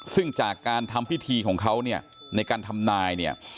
ซึ่งจากการทำพิธีของเขาเนี่ยในการทำนายเนี่ย